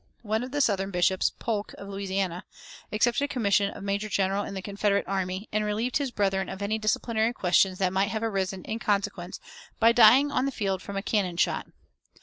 One of the southern bishops, Polk, of Louisiana, accepted a commission of major general in the Confederate army, and relieved his brethren of any disciplinary questions that might have arisen in consequence by dying on the field from a cannon shot.